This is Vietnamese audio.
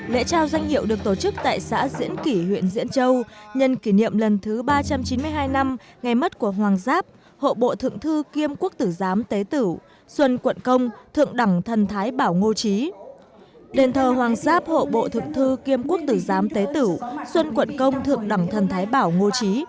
lễ trao danh hiệu được tổ chức tại xã diễn kỷ huyện diễn châu nhân kỷ niệm lần thứ ba trăm chín mươi hai năm ngày mất của hoàng giáp hộ bộ thượng thư kiêm quốc tử giám tế tửu xuân quận công thượng đằng thần thái bảo ngô trí